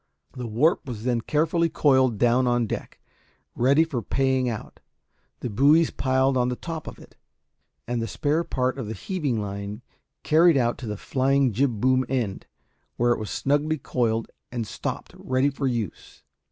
The warp was then carefully coiled down on deck, ready for paying out; the buoys piled on the top of it; and the spare part of the heaving line carried out to the flying jib boom end, where it was snugly coiled and stopped, ready for use.